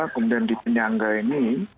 kemudian di penyangga ini